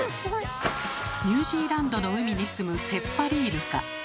ニュージーランドの海に住むセッパリイルカ。